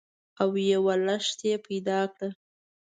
او یوه لښتۍ پیدا کړه